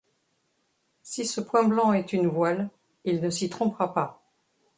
Si ce point blanc est une voile, il ne s’y trompera pas.